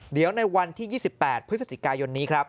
เดี๋ยวในวันที่๒๘พฤศจิกายนนี้ครับ